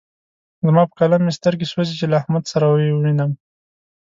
زما په قلم مې سترګې سوځې چې له احمد سره يې ووينم.